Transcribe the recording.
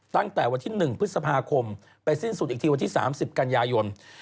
ตั้งแต่วันที่๑พฤษภาคมไปสิ้นสุดอีกทีวันที่๓๐กันยายน